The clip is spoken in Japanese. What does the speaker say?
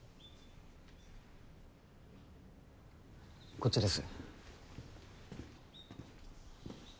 こっちです。